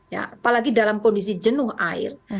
ya apalagi dalam kondisi jenuh air